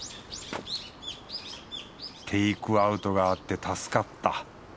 テークアウトがあって助かった。